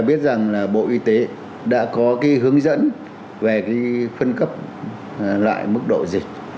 tôi biết rằng là bộ y tế đã có cái hướng dẫn về cái phân cấp lại mức độ dịch